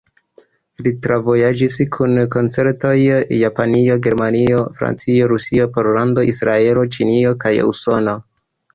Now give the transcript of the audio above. Li travojaĝis kun koncertoj Japanio, Germanio, Francio, Rusio, Pollando, Israelo, Ĉinio kaj Usono.